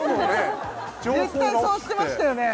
絶対触ってましたよね？